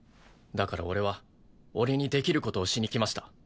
だから俺は俺にできる事をしに来ました。